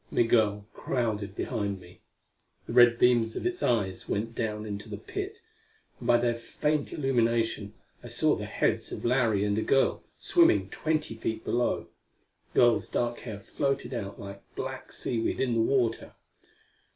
Migul crowded behind me. The red beams of its eyes went down into the pit, and by their faint illumination I saw the heads of Larry and a girl, swimming twenty feet below. The girl's dark hair floated out like black seaweed in the water.